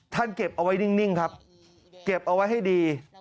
เก็บเอาไว้นิ่งครับเก็บเอาไว้ให้ดี